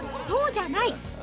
そうじゃない！